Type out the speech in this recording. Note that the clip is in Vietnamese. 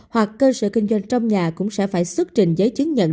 hoặc cơ sở kinh doanh trong nhà cũng sẽ phải xuất trình giấy chứng nhận